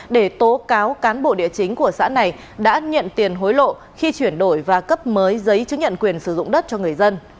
để tố cáo cán bộ địa chính của xã này đã nhận tiền hối lộ khi chuyển đổi và cấp mới giấy chứng nhận quyền sử dụng đất cho người dân